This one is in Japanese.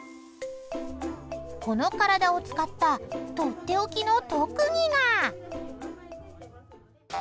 この体を使ったとっておきの特技が。